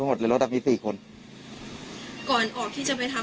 ก่อนออกที่จะไปทำวิธีเนี่ยหมอเขาพูดอะไรไหม